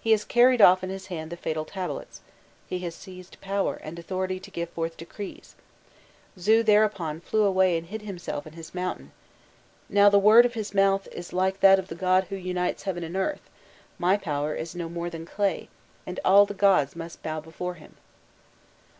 He has carried off in his hand the fatal tablets, he has seized power and authority to give forth decrees, Zu thereupon flew away and hid himself in his mountain. Now, the word of his mouth is like that of the god who unites heaven and earth; my power is no more than clay, and all the gods must bow before him.